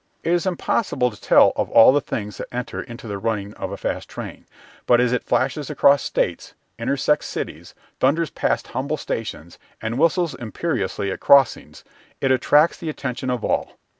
It is impossible to tell of all the things that enter into the running of a fast train, but as it flashes across States, intersects cities, thunders past humble stations, and whistles imperiously at crossings, it attracts the attention of all.